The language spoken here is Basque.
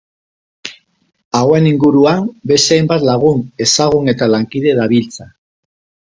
Hauen inguruan, beste hainbat lagun, ezagun eta lankide dabiltza.